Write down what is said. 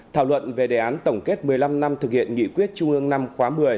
thảo luận về đề án tổng kết một mươi năm năm thực hiện nghị quyết trung ương năm khóa một mươi